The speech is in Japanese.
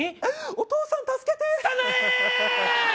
お父さん助けてサナエ！